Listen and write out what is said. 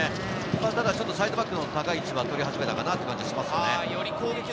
ただ、ちょっとサイドバックの高い位置が取り始めたかなって感じがします。